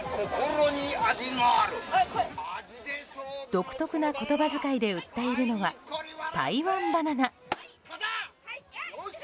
独特な言葉遣いで売っているのは台湾バナナ。